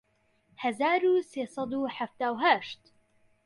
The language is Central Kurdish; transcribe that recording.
هەزار و سێ سەد و حەفتا و هەشت